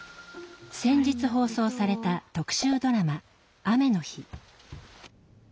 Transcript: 先日放送された特集ドラマ「雨の日」。